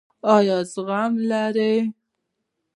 ایا زغم لرئ؟